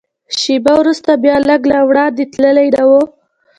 شېبه وروسته بیا، لږ لا وړاندې تللي نه و.